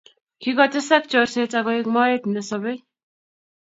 Kikotes ak chorset akoek moet nemosobeii